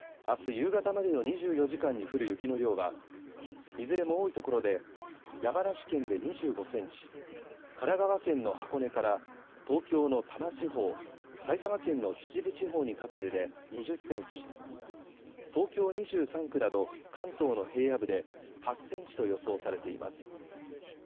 あす夕方までの２４時間に降る雪の量はいずれも多いところで山梨県で２５センチ、神奈川県の箱根から東京の多摩地方、埼玉県の秩父地方にかけてで２０センチ、東京２３区など関東の平野部で８センチと予想されています。